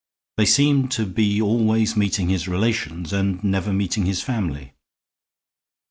They seemed to be always meeting his relations and never meeting his family.